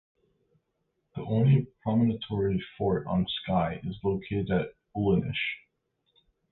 The only promontory fort on Skye is located at Ullinish.